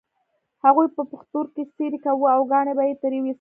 هغوی به پښتورګی څیرې کاوه او کاڼي به یې ترې ویستل.